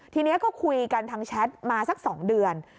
ทีนี้ก็คุยกันทางแชทมาสัก๒เดือน